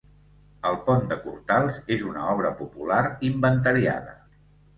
El Pont de Cortals és una obra popular inventariada.